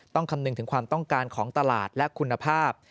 คำนึงถึงความต้องการของตลาดและคุณภาพ